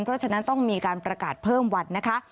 เพราะฉะนั้นต้องมีการประกาศเพิ่มวันนะคะ